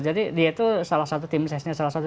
dia itu salah satu tim sesnya salah satu